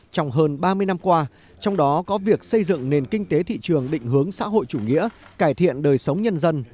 trong hơn ba mươi năm qua trong đó có việc xây dựng nền kinh tế thị trường định hướng xã hội chủ nghĩa cải thiện đời sống nhân dân